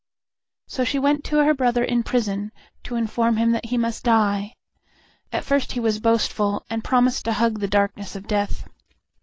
So she went to her brother in prison, to inform him that he must die. At first he was boastful, and promised to hug the darkness of death.